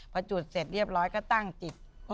พอจุดเสร็จเรียบร้อยก็ตั้งจิต